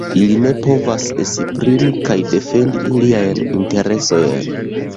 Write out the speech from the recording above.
Ili ne povas esprimi kaj defendi iliajn interesojn.